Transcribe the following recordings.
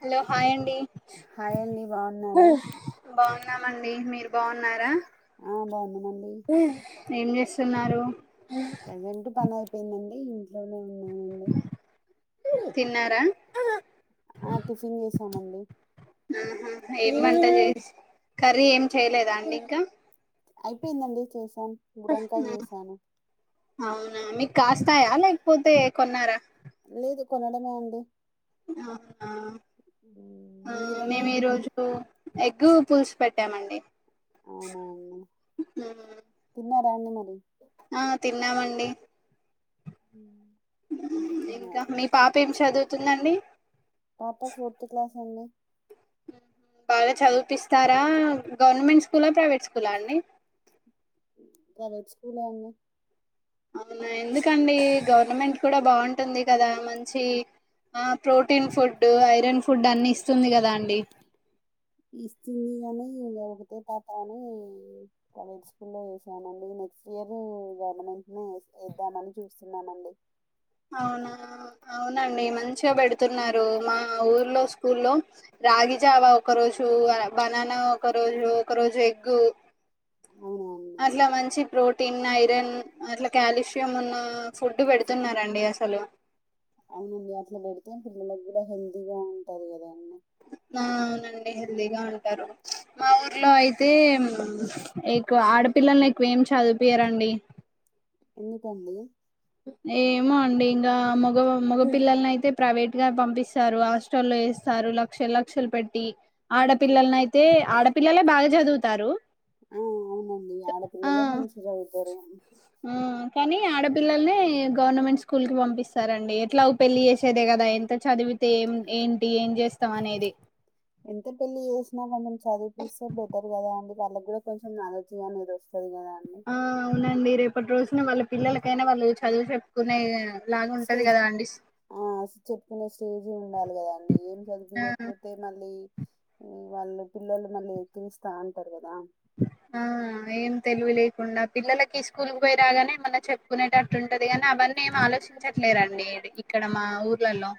Hello hi అండి hi అండి బాగున్నారా బాగు న్నామండి మీరు బాగున్నారా? ఆ బాగున్నామండి ఏం చేస్తున్నారు? ప్రజెంట్ పని అయిపోయిందండి ఇంట్లోనే ఉన్నానండి. తిన్నారా? ఆ టిఫిన్ చేసామండి. ఆ హాఁ ఏం వంట మీరు చేస్ కర్రీ ఏం చేయలేదా అండి ఇంకా? అయిపోయిందండి చేశాన్ బుడంకాయ చేశాను. అవునా మీకు కాస్తాయా లేకపోతే కొన్నారా? లేదు కొనడమే అండి అవునా మ్మ్. ఆ మీరండి మేము ఈరోజు ఎగ్గు పులుసు పెట్టామండి అవునా అండి తిన్నారా అండి మరి ఆ తిన్నామండి. మ్ ఇంకా మీ పాప ఏం చదువుతుందండి? పాప ఫోర్త్ క్లాస్ అండి. మ్మ్ హు బాగా చదిపిస్తారా గవర్నమెంట్ స్కూలా, ప్రైవేట్ స్కూలా అండి. ప్రైవేట్ స్కూలే అండి అవునా ఎందుకండి గవర్నమెంట్ కూడా బాగుంటుంది కదా మంచి. ఆ ప్రోటీన్ ఫుడ్, ఐరన్ ఫుడ్ అన్ని ఇస్తుంది కదా అండి. ఇస్తుంది కాగాని ఇం ఒకతే పాత అని కాలేజ్ స్కూల్లో వసానుండి నేను నెక్స్ట్ ఇయర్ గవర్నమెంట్ ని ఇద్దామని చూస్తున్నామండి అవునా అవునండి మంచిగా పెడుతున్నారు మా ఊర్లో స్కూల్లో రాగిజావా ఒక రోజు బనానా ఒక రోజు ఒక రజు రోజు ఎగ్గు హ్మ్మ్ టిన్ ఐరన్ అట్లా కాల్షియం ఉన్న ఫుడ్ పెడుతున్నారండి అసలు అవున అట్లా పెడితే పిల్లలకు కూడా హెల్దీగా ఉంటది కదా అవునండి హెల్తీగా ఉంటారు మా ఊర్లో అయితే ఎక్కువ ఆడపిల్లల్ని ఎక్కువేం చదిపియారండి ఎందుకండి ఏమో అండి ఇంకా మగ మగ పిల్లల్ని అయితే ప్రైవేట్ గా పంపిస్తారు హాస్టల్ల్లో వేసి స్తారు లక్షల లక్షలు పెట్టి ఆడపిల్లని అయితే ఆడపిల్లలే బాగా చదువుతారు ఆ అవునండి ఆ ఆడపిల్లలే మంచిగా చదువుతారు ఆ కానీ ఆడపిల్లల్ని గవర్నమెంట్ స్కూల్ కి పంపిస్తారండి ఎట్లా పెళ్లిి చేసేదే కదా ఎంత చదివితే ఏం ఏంటి ఏం చేస్తాం అనేది ఎంత పెళ్లిి చేసినా కొంచెం చదివిపిస్తే బెటర్ కదా అండి వాళ్ళకి కూడా కొంచెం నాలెడ్జ్ వస్తుంది ఆ అవునండి రేపటి రోజున వాళ్ళ పిల్లలకైనా వాళ్ళు చదువు చెప్పుకునే లాగా ఉంటది స్టేజ్ కదా అండి ఆ చెప్పుకునే స్టేజ్ ఉండాలి కదాండి ఏం ఆ చదివయకపోతే మళ్ళీ వాళ్ళు పిల్లలు మళ్ళీ ఎకిరిస్తా అంటారు కదా ఆ ఏం తెలివి లేకుండా పిల్లలకి స్కూల్కి పోయి రాగానే ఏమన చెప్పుకునేటట్టుంటది గానీ అవ అవన్నీ ఏం ఆలోచించట్లేరండి ఇక్కడ మా ఊర్లలో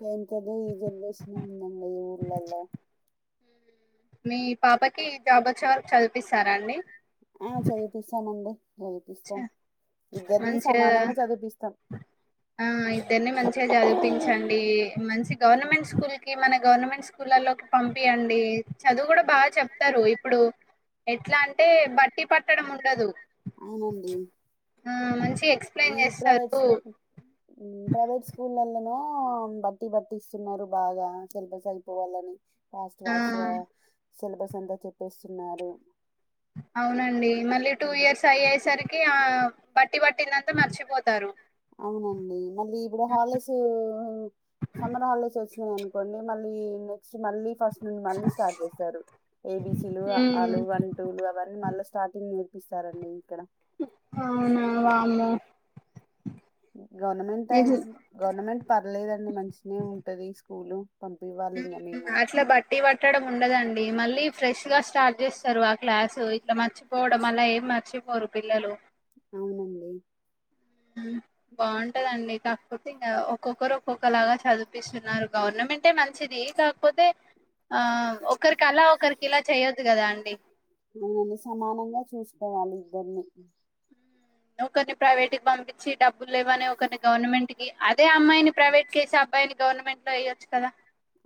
కా అంత ఈ జనరేషన్ ఉందడి ఈ ఊళ్ళలో మీ పాపకి జాబ్ వచ్చే వరకు చదిపిస్తారాండి ఆ చదివిపిస్తామండి చ చదిపిస్తాం ఇద్దరినీ మంచిగా సమానంగా చదివిపిస్తాం ఆ ఇద్దరిని మంచిగా చదిపించండి మంచి గవర్నమెంట్ స్కూల్ కి మన గవర్నమెంట్ స్కూల్లోకి పంపి అండి చదువు కూడా బాగా చెప్తారు ఇప్పుడు ఎట్లా అంటే బట్టి పట్టడం ఉండదు అవునండి ఆ మంచి ఎక్స్ ఈ ప్రవేట్ ప్రైవేట్ స్కూల్లన బట్టి పటిస్తున్నారు బాగా సిలబస్ అయిపోవాలని ఫాస్ట్ ఆ ఫాస్ట్ సిలబస్ అంతా చెప్పేస్తున్నారు అవునండి మళ్ళీ టూ ఇయర్స్ అయ్యేసరికి ఆ బట్టి పట్టిందంతా మర్చిపోతారు అవునండి మళ్ళీ ఇప్పుడు హాలిడేస్ సమ్మర్ హాలిడేస్ వచ్చ అనుకోండి మళ్ళీ నెక్స్ట్ మళ్ ఫస్ట్ ను మళ్ స్ార్ చేస్త ఏబి అ ఉమ్, మ స్ార్ంగ్ విస్తారండి ఇక్కడ అమ్మో గవర్నమెంట్ అయి గవర్నమెంట్ పర్లేదండి మంచిిన ఉంటది స్కూలు పంపివ్వాలి ఇంగ మేము కూడా అట్లా బట్టి పట్టడం ఉండదండి మళ్ళీ ఫ్రెష్ గా స్టార్ట్ చేస్తారు ఆ క్లాసు ఇట్లా మర్చిపోవడం మళ్ళ ఏం మర్చిపోరు పిల్లలు అవునండి బాగుంటదండి ఇకా కాకపోతే ఇంకా ఒక్కొక్కరు ఒక్కొక్కలాగా చదిపిస్తున్నారు గవర్నమెంటే మంచిది కాకపోతే ఆ ఒకరికి అలా ఒకరికి ఇలా చెయొదు కదా అండి సేమ్ ఇద్దరిని ఒకరిని ప్రైవేట్ కి పంపించి డబ్బులు లేవని ఒకరిని గవర్నమెంట్ కి అదే అమ్మాయిని ప్రైవేట్ కేసి అబ్బాయిని గవర్నమెంట్ లో ఎయ్యచ్చు కదా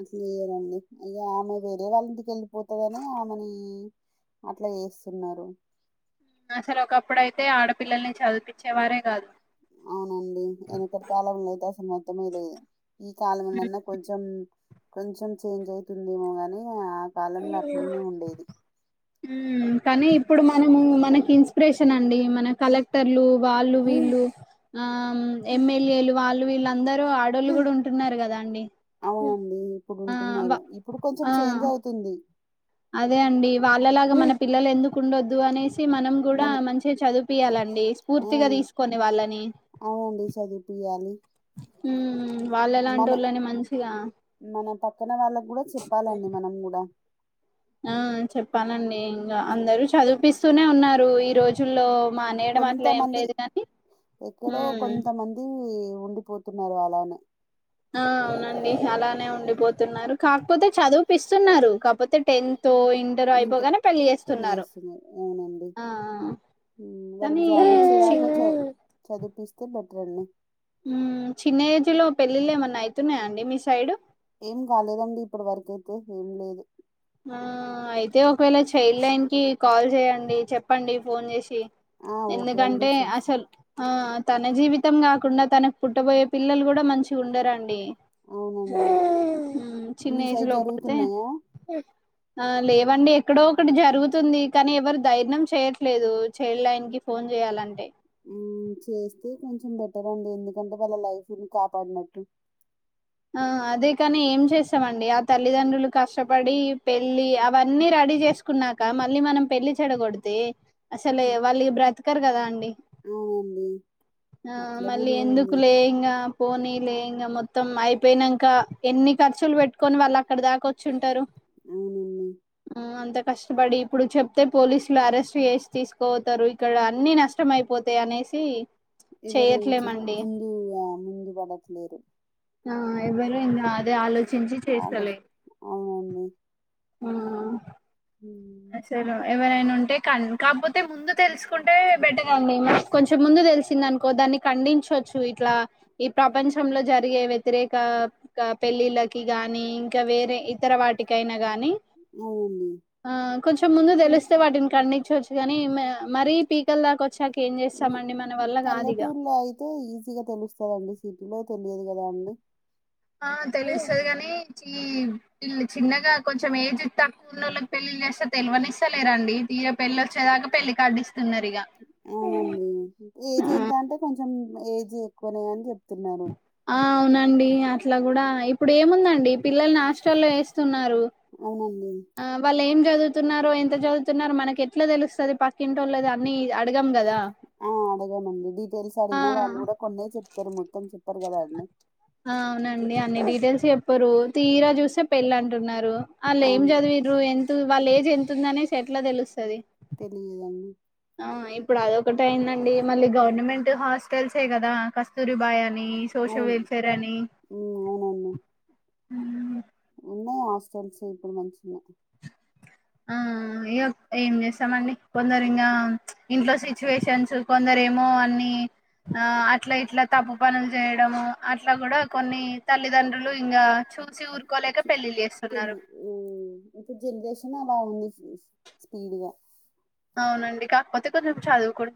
అట్లేయరండి ఇగ ఆమె వేరే వాళ్ళింటికి వెళ్ళిపోతదని ఆమెని అట్లా ఏస్తున్నారు. అసలు ఒకప్పుడుయితే ఆడపిల్లల్ని చదిపిచ్చే వారే కాదు. అవునండి వెనకటి కాలంనా అయితే అసలు మొత్తమే లేదు. ఈ కాలంనన్నా కొంచెం కొంచెం చేంజ్ అయితుందేమో గాని ఆ కాలంలో అట్నే ఉండేది. మ్ కానీ ఇప్పుడు మనము మనకి ఇన్స్పిరేషన్ అండి మన కలెక్టర్లు వాళ్ళు వీళ్ళు ఆ ఎమ్మెల్యేలు వాళ్ళు వీళ్ళందరు ఆడాళ్లు కూడా ఉంటున్నారు కదా అండి. అవునండి ఇప్పుడు ఆ వ ఉంటున్నారు ఇప్పుడు కొంచెం ఆ చేంజ్ అయితుంది. అదే అండి వాళ్ళలాగా మన పిల్లలు ఎందుకు ఉండొద్దు అనేసి మనం కూడా మన మంచిగా చదిపియాలండి స్ఫూర్తిగా తీసుకొని వాళ్ళని వునండి చదిపి హ్మ్ మన వాళ్ళలాంటోళ్ళని మంచిగా మన పక్కన వాళ్ళకి కూడా చెప్పాలండి మనం కూడా ఆ చెప్పాలండి ఇంకా చెప్ అందరు చదిపిస్తూనే ఉన్నారు. ఈ రోజుల్లో మానేయడం అట్లా ఏం కొంతమంది లేదు కానీ ఎక్కడో ఉమ్ కొంతమంది ఉండిపోతున్నారు అలానే ఆ అవునండి అలానే ఉండిపోతున్నారు. కాకపోతే చదువుపిస్తున్నారు కాపోతే టెన్త్ ఇంటర్ ఇంతే అయిపోగానే పెళ్ళి పెళ్లి చేస్తున్నారు అవునండి ఆ ఆ వాళ్ళు జాబ్ వచ్చేగాక చ చదివిపిస్తే బెటర్ అండి. ఉమ్ చిన్న ఏజ్ లో పెళ్ళిళ్ళ ఏమన్నా అయితున్నాయాండి మీ సైడ్ ఏం కాలేదండి ఇప్పటి వరకైతే ఏం లేదు. ఆ అయితే ఒకవేళ చైల్డ్ లైన్ కి కాల్ చేయండి చెప్పండి ఫోన్ చేసి ఆ ఓకే అండి ఎందుకంటే చేస్తా అసలు ఆ తన జీవితం కాకుండా తనకు పుట్టబోయే పిల్లలు కూడా మంచిగా ఉండరాండి. అవునండి చిన్న మీ ఏజ్ సైడ్ లో పడితే జరుగుతున్నాయా ఆ లేవండి ఎక్కడో ఒకటి జరుగుతుంది. కానీ ఎవరు దైర్నం చేయట్లేదు చైల్డ్ లయాన్ ఫోన్ జేయాలంటే ఉమ్ చేస్తే కొంచెం బెటర్ అండి. ఎందుకంటే వాళ్ళ లైఫ్ని కాపాడినట్టు ఆ అదే కాని ఏం చేస్తమండి ఆ తల్లిదండ్రులు కష్టపడి పెళ్లి అవన్నీ రెడీ చేస్ తీసుకున్నాక మళ్ళీ మనం పెళ్లి చెడ కొడితే అసలే వాళ్ళు ఇగ బ్రతకరు కదా అండి. అవునండి ఆ అట్లా మళ్ళీ కూడా ఎందుకు ఉంది లే ఇంగా పోనీ లే ఇంకా మొత్తం అయిపోయినంక ఎన్ని ఖర్చులు పెట్టుకొని వాళ్ళు అక్కడ దాకావోచ్చుంటారు. అవునన్నీ అంత కష్టపడి ఇప్పుడు చెప్తే పోలీసులు అరెస్ట్ చేసి తీసుకోతారు. ఇక్కడ అన్ని నష్టమయిపో తే అనేసి ఎవరు చూసి చెయట్లేమండి ముందు ఆ ముందు పడట్లేరు. ఆ ఎవరు ఇందే అదే ఆలోచించి చేస్తలే. ఆలోచన అవునండి ఆ ఉమ్. అసలు ఎవరైనా ఉంటే కాని కాకపోతే ముందు తెలుసుకుంటే బెటర్ అండి. మనకు కొంచెం ముందు తెలిసిందనుకో దాన్ని ఖండించచ్చు. ఇట్లా ఈ ప్రపంచంలో జరిగే వ్యతిరేక క పెళ్ళిళ్ళకి గాని ఇంకా వేరే ఇతర వాటికైనా గానీ అవుండి. ఆ కొంచెం ముందు తెలుస్తే వాటిని కండించచ్చు. కానీ మరీ పీకల దాకా వచ్చాక ఏం చేస్తామండి మన వల్ల కాదు ఇగ పల్లెటూర్లో అయితే ఈజీగా తెలుస్తాదండి. సిటీలో తెలియదు కదా అండి. ఆ తెలుస్తది కాని చిన్ ఇల్ చిన్నగా కొంచెం ఏజ్ తక్కువ ఉన్న ఓళ్ళకి పెళ్ళి చేస్తే తెలివనిస్తలేరండి తీర పెళ్లి వచ్చదాకా పెళ్లి కార్డిస్ అవునండి. ఏజ్ ఆ ఎంత అంటే కొంచెం ఏజ్ ఎక్కువనే అని చెప్తున్నారు. ఆ అవునండి అట్లా కూడా ఇప్పుడు ఏముందండి పిల్లల్ని హాస్టల్లో ఏస్తున్నారు. అవునండి ఆ వల్ ఏం చదువుతున్నారో ఎంత చదువుతున్నారో మనకి ఎట్లా తెలుస్తది పక్కింటోళ్ళది అన్ని అడగం కదా ఆ అడగానండి డీటెయిల్స్ ఆ అడిగినా వాళ్ళు కూడా కొన్నే చెప్తారు మొత్తం చెప్పారు కదా అండి అవునండి అన్ని డీటెయిల్స్ చెప్పరు తీరా చూస్తే పెళ్ళి అంటున్నారు ఆళ్ళు ఏం అవును చదు విరు ఎంతు వాళ్ళ ఏజ్ ఎంతు ఉందనేసి ఎట్లా తెలుస్తది తెలియదండి ఆ ఇప్పుడు అదొకటైందండి మళ్ళీ గవర్నమెంట్ హాస్టల్సే కదా కస్తూరి బాయాని సోషల్ అవును వెల్ఫేర్ అని ఉమ్, అవునండి ఉన్నాయి హాస్టల్స్ ఇప్పుడు మంచినే ఆ ఇగ ఏం చేస్తామండి కొందరి ఇంగా ఇంట్లో సిచ్యువేషన్స్ కొందరేమో అన్ని ఆ అట్లా ఇట్లా తప్పు పనులు చేయడము అట్లా కూడా కొన్ని తల్లిదండ్రులు ఇంకా చూ పెళ్లి ఉ ఇప్పు జెనరేషనే బాగుంది స్పీడ్గా అవునండి కాకపోతే కొంచెం చదువు కుడా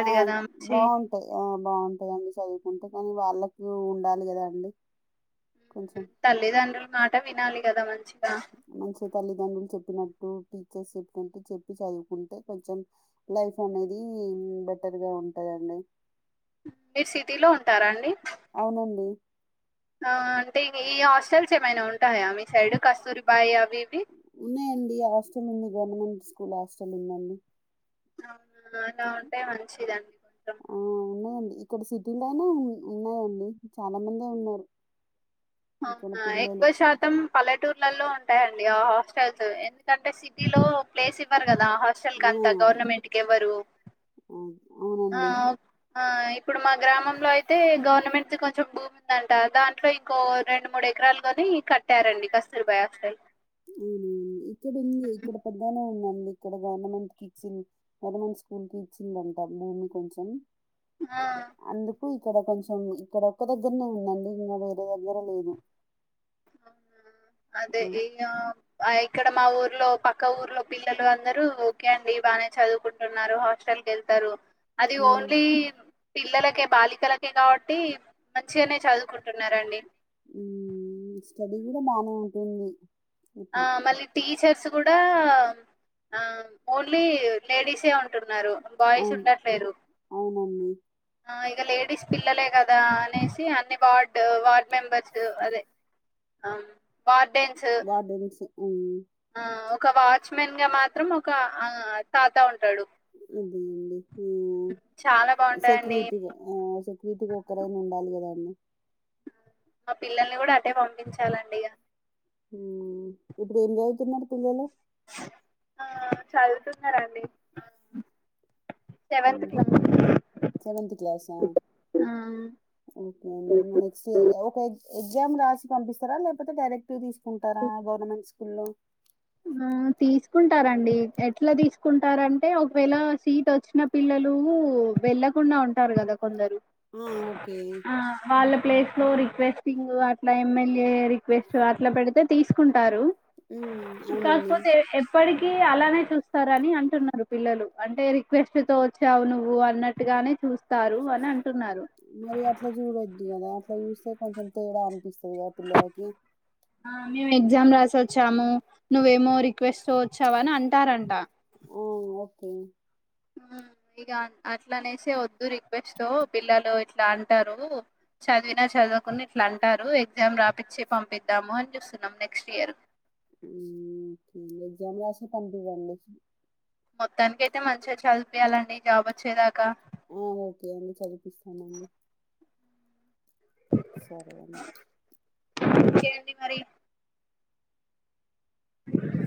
ఆ మంచి బాగుంటాయి ఆ బాగుంటాయండి చదువుకుంటే కానీ వా ళ్ళకు ఉండాలి కదా అండి కొంచెం తల్లిదండ్రుల మాట వినాలి కదా మంచి మంచి తల్లిదండ్రులు చెప్పినట్టు టీచర్స్ ఎక్కుంటే చెప్పి చదువుకుంటే కొంచెం లైఫ్ అనేది బెటర్ గా ఉంటది టన్నై మీరు సిటీలో ఉంటారా అండి అవునండి ఆ అంటే ఈ హాస్టల్స్ ఏమైనా ఉంటాయా మీ సైడ్ కస్తూరి బాయి అవి ఇవి ఉన్నాయండి హాస్టల్ ఉంది గవర్నమెంట్ స్కూల్ హాస్టల్ ఉందండి అవునా అలా ఉంటే మంచిదండి కొంచెం ఆ ఉన్నాయండి ఇక్కడ సిటీలోనే ఉ ఉన్నాయండి చాలా మందే ఉన్నారు ఇక్కడ అవునా పిల్లలు ఎక్కువ శాతం పల్లెటూర్లలో ఉంటాయండి ఆ హాస్టల్స్ ఎందుకంటే సిటీ లో ప్లేస్ ఇవ్వరు కదా హాస్టల్ ఆ కంతా గవర్నమెంట్ కేవ్వరు ఆ, అవునండి ఆ ఇప్పుడు మా గ్రామంలో అయితే గవర్నమెంటుది కొంచెం భూమి ఉందంట దాంట్లో ఇంకో రెండు మూడు ఎకరాలు గోని కట్టారండి కస్తూరిబాయి హాస్టల్ అవునవును ఇక్కడ ఉంది ఇక్కడ పెద్దగనే ఉందన్ ఇక్కడ గవర్నమెంట్ కి ఇచ్చింది గవర్నమెంట్ స్కూల్ కి ఇచ్చిందంట భూమి కొంచెం ఆ అందుకు ఇక్కడ కొంచెం ఇక్కడ ఒక్క దగ్గరనే ఉందండి ఇంకా వేరే దగ్గర లేదు అదే ఈ ఆ ఐ ఇక్కడ మా ఊర్లో పక్క ఊర్లో పిల్లలు అందరూ ఓకే అండి బాగానే చదువుకుంటున్నారు హాస్టల్ కేళ్త టారు అది హ్మ్. ఓన్లీ పిల్లలకే బాలికలకే కాబట్టి మంచిగానే చదువుకుంటున్నారండి ఉమ్ స్టడీ కూడా బానే ఉంటుంది ఆ ఇప్పుడు. మళ్ళీ టీచర్స్ కూడా ఆ ఓన్లీ లేడీసే ఉంటున్నారు బాయ్స్ అవును. ఉండట్లేరు అవునండి. ఆ ఇక లేడీస్ పిల్లలే కదా అనేసి అన్ని వార్డ్ వార్డ్ మెంబర్స్ అదే ఆ వార్డెన్స్ సి ఉమ్ ఆ ఒక వాచ్మెన్ గా మాత్రం ఒక ఆ తాత ఉం అదే అండి హు చాలా బాగుంటాయండి సేక్రూటీగా ఆ కీటుకొక్కరైనా ఉండాలి కదండి మా పిల్లల్ని కూడా అటే పంపించాలండి ఇక ఇప్పుడు ఏం చదువుతున్నారు పిల్లలు ఆ చదువుతున్నాండి ఆ సెవెన్ంత క్లాస్ా ఆ ఓకే అండి మన ఒక ఎగ్జామ్ రాసి పంపిస్తారా లేకపోతే డైరెక్ట్ తీసుకుంటారా గవర్నమెంట్ స్కూల్లో ఆ తీసుకుంటారండి ఎట్లా తీసుకుంటార అంటే ఒకవేళ సీట్ వచ్చిన పిల్లలు వెళ్ళకుండా ఉంట కదా కొందరుళ ఆ ఓకే ప్లేస్ లో రిక్వెస్టింగ్ అట్లా ఎమ్ఎల్యే రిక్వెస్ట్ అట్లా పెడితే తీసుకుంటారు ఉ కాకపోతే ఎ ఇప్పటికీ అలానే చూస్తార అని అంటున్నారు పిల్లలు అంటే రిక్వెస్ట్ తో వచ్చావు నువ్వు అన్నట్టుగా నే చూస్తారు అని అంటున్నారు మరి అట్లా చూడొద్దు కదా అట్లా చూస్తే కొంచెం తేడా అనిపిస్తుంది పదిగా పిల్లలకి ఆ మేము ఎగ్జామ్ రాసి వచ్చాము నువ్వేమో రిక్వెస్ట్ వచ్చావ అని అంటారంట ఆ ఓకే ఇక అట్లానేసే వద్దు రిక్వెస్ట్ పిల్లలు ఇట్లా అంటారు చదివినా చదువుకుని ఇట్లా అంటారు ఎగ్జామ్ రాపిచ్చి పంపిద్దాము అని చూస్తున్నాం నెక్స్ట్ ఇయర్ ఎగ్జామ్ రాసే పంపివండి మొత్తానినికి అయితే మంచిగా చదిపియాలండి జాబ్ వచ్చేదాకా ఆ ఓకే అండి చదిపిస్తామండి సరేైన కే అండి మరి [inaudible]